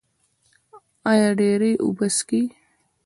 ایا ډیرې اوبه څښئ؟